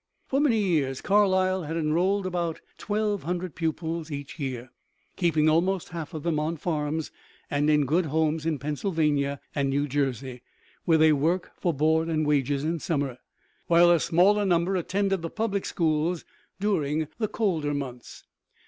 For many years Carlisle has enrolled about 1,200 pupils each year, keeping almost half of them on farms and in good homes in Pennsylvania and New Jersey, where they work for board and wages in summer, while a smaller number attend the public school during the colder months.